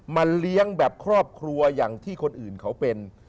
เลี้ยงแบบครอบครัวอย่างที่คนอื่นเขาเป็น